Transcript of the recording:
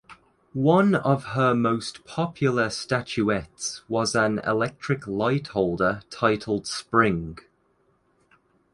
One of her most popular statuettes was an electric light holder titled "Spring".